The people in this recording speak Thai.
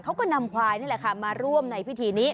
เขาก็นำควายนี่แหละค่ะมาร่วมในพิธีนี้